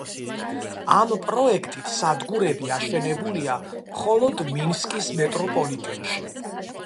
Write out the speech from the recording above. ამ პროექტით სადგურები აშენებულია მხოლოდ მინსკის მეტროპოლიტენში.